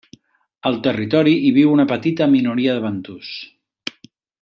Al territori hi viu una petita minoria de bantus.